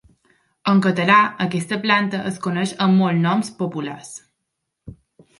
En català aquesta planta es coneix amb molts noms populars.